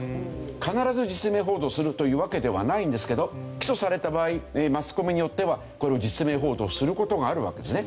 必ず実名報道するというわけではないんですけど起訴された場合マスコミによっては実名報道する事があるわけですね。